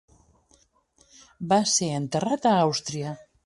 Va ser enterrat a Àustria.